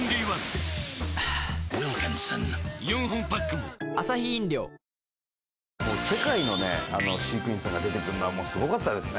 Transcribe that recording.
もう世界のね飼育員さんが出てくるのはもうすごかったですね